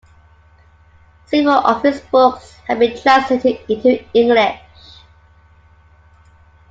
Several of his books have been translated into English.